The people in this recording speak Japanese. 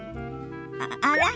あら？